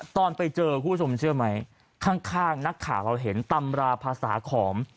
ตอนไปเจอคุณผู้ชมเชื่อไหมข้างนักข่าวเราเห็นตำราภาษาขอม